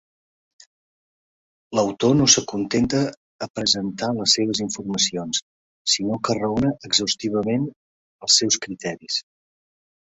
L'autor no s'acontenta a presentar les seves informacions sinó que raona exhaustivament els seus criteris.